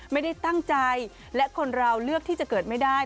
ไม่ได้ตั้งใจและคนเราเลือกที่จะเกิดไม่ได้